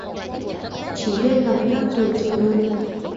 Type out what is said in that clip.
Chỉ biết nằm ngáp rồi chờ đợi